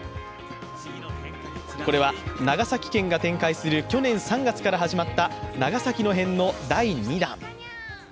これは長崎県が展開する去年３月から始まった「長崎の変」の第２弾。